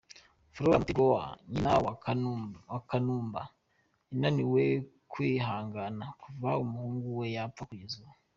Flora Mutegoa, nyina wa Kanumba, yananiwe kwihangana kuva umuhungu we yapfa kugeza ubu.